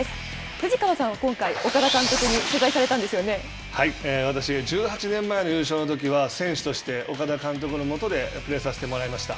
藤川さんは、今回岡田監督に取材私が１８年前の優勝のときは選手として岡田監督の下で、プレーさせてもらいました。